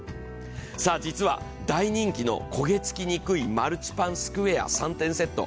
実は大人気の焦げつきにくいマルチパンスクエア３点セット。